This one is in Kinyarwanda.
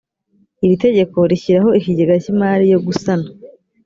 iri tegeko rishyiraho ikigega cy imari yo gusana